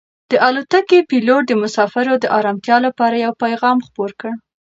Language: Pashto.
د الوتکې پېلوټ د مسافرو د ارامتیا لپاره یو پیغام خپور کړ.